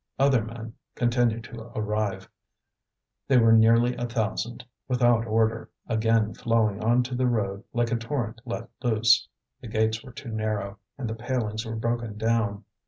Other men continued to arrive; they were nearly a thousand, without order, again flowing on to the road like a torrent let loose. The gates were too narrow, and the palings were broken down.